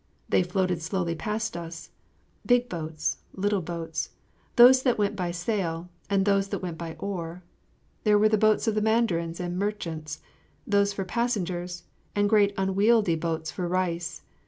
They floated slowly past us big boats, little boats, those that went by sail, and those that went by oar. There were the boats of mandarins and merchants, those for passengers, and great unwieldy boats for rice.